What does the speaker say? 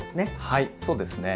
はいそうですね。